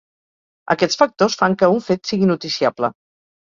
Aquests factors fan que un fet sigui noticiable.